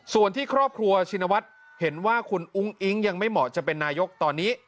ส่วนที่ครอบครัวชินวัฒน์เห็นว่าคุณอุ้งอิ๊งยังไม่เหมาะจะเป็นนายกตอนนี้